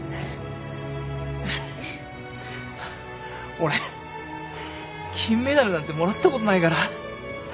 俺金メダルなんてもらったことないから。